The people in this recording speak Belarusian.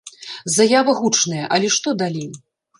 Заява гучная, але што далей?